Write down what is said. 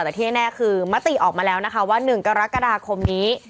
แต่ที่แน่คือมติออกมาแล้วนะคะว่า๑กรกฎาคมนี้